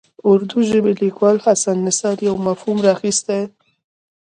اردو ژبي لیکوال حسن نثار یو مفهوم راخیستی.